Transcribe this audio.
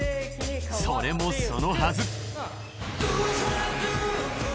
それもそのはず。